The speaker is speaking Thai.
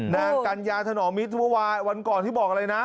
นางกัญญาถนอมิทรุปวาวันก่อนที่บอกอะไรนะ